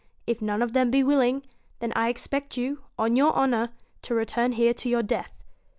If none of them be willing, then I expect you, on your honour, to return here to your death.